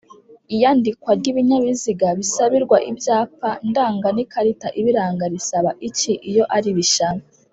iyandikwa ry’ibinyabiziga bisabirwa Ibyapa ndanga n’ikarita ibiranga risaba iki iyo ari bishya